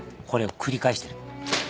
これを繰り返してる。